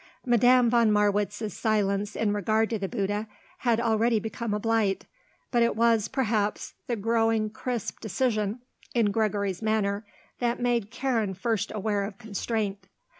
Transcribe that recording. Madame von Marwitz's silence in regard to the Bouddha had already become a blight, but it was, perhaps, the growing crisp decision in Gregory's manner that made Karen first aware of constraint.